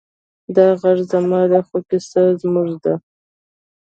دا غږ زما دی، خو کیسه زموږ ده.